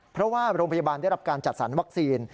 เพราะว่าโรงพยาบาลได้รับการจัดสรรวัคซีน